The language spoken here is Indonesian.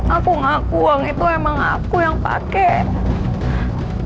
aku ngaku uang itu emang aku yang pakai